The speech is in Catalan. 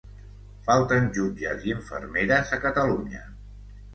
Falten jutges i infermeres a Catalunya.